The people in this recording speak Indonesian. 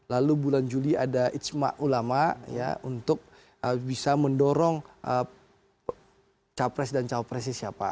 lalu bulan juli ada ijma ulama untuk bisa mendorong capres dan cawapresnya siapa